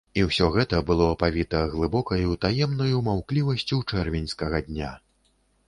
І ўсё гэта было апавіта глыбокаю таемнаю маўклівасцю чэрвеньскага дня.